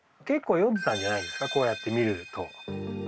結構読んでいたんじゃないですか、こうやって見ると。